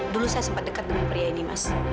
dulu saya sempat dekat dengan pria ini mas